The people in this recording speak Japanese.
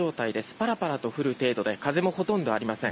パラパラと降る程度で風もほとんどありません。